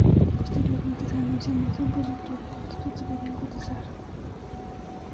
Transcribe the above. Posteriormente, se anuncia y muestra un producto, el cual todos deberán cotizar.